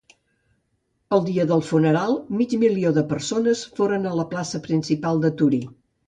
El dia del funeral mig milió de persones foren a la plaça principal de Torí.